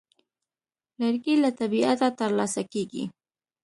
لرګی له طبیعته ترلاسه کېږي.